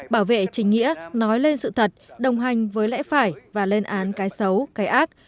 bảo vệ chính nghĩa nói lên sự thật đồng hành với lẽ phải và lên án cái xấu cái ác